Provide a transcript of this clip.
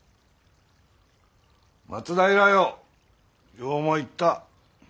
松平よよう参った。